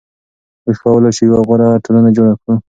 موږ کولای شو یوه غوره ټولنه جوړه کړو.